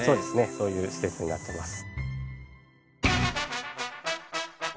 そういう施設になってます。